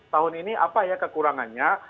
tahun ini apa ya kekurangannya